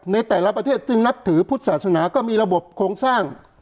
ในแต่ละประเทศจึงนับถือพุทธศาสนาก็มีระบบโครงสร้าง